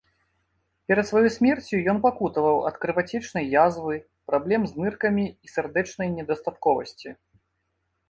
Перад сваёй смерцю ён пакутаваў ад крывацёчнай язвы, праблем з ныркамі і сардэчнай недастатковасці.